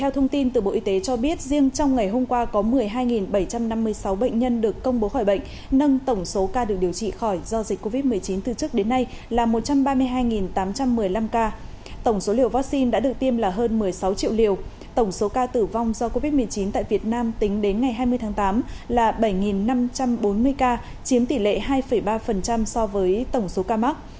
tổng số liều vaccine đã được tiêm là hơn một mươi sáu triệu liều tổng số ca tử vong do covid một mươi chín tại việt nam tính đến ngày hai mươi tháng tám là bảy năm trăm bốn mươi ca chiếm tỷ lệ hai ba so với tổng số ca mắc